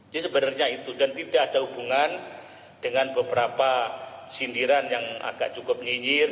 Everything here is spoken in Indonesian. jadi sebenarnya itu dan tidak ada hubungan dengan beberapa sindiran yang agak cukup nyinyir